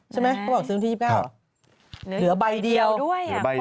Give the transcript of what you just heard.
สีล้ำที๒๙ก็ถูกเป็นที่๑ใช่ไหม